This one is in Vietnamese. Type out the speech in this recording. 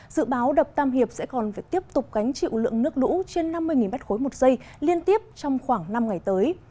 dự báo đập tam hiệp sẽ còn phải tiếp tục gánh chịu lượng nước lũ trên năm mươi m ba một giây liên tiếp trong khoảng năm ngày tới